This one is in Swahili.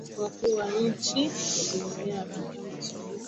Wakuu wa Nchi wa Jumuiya ya Afrika Mashariki mjini Arusha mwezi uliopita